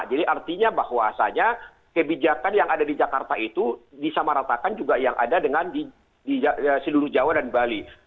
jadi artinya bahwasanya kebijakan yang ada di jakarta itu disamaratakan juga yang ada di seluruh jawa dan bali